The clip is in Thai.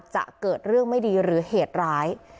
จะเกิดเรื่องไม่ดีหรือเหตุร้าย